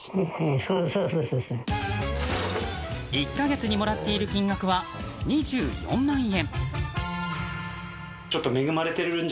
１か月にもらっている金額は２４万円。